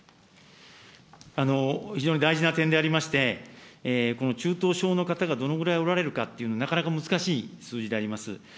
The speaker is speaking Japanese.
非常に大事な点でありまして、この中等症の方がどのぐらいおられるかというのは、なかなか難しい数字であります。